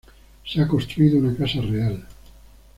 Se ha construido una casa real.